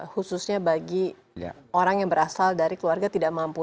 khususnya bagi orang yang berasal dari keluarga tidak mampu